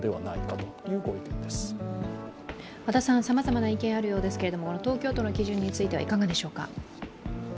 さまざまな意見があるようですけれども、東京都の基準についてはいかがでしょうか？